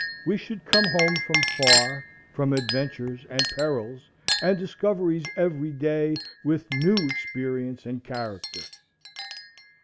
We should come home from far, from adventures, and perils, and discoveries every day, with new experience and character.